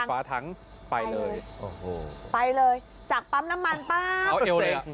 ปิดฝาถังไปเลยโอ้โหไปเลยจากปั๊มน้ำมันป้าเอาเอวเนี้ย